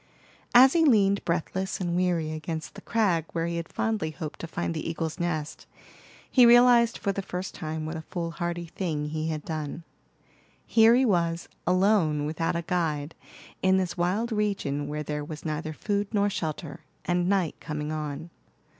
As he leaned breathless and weary against the crag where he had fondly hoped to find the eagle's nest, he realized for the first time what a fool hardy thing he had done. Here he was, alone, without a guide, in this wild region where there was neither food nor shelter, and night coming on.